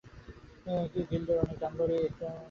গিল্ডের অনেক দানবরাই এটার প্রতি অনুরক্ত।